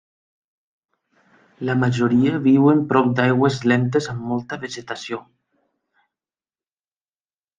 La majoria viuen prop d'aigües lentes amb molta vegetació.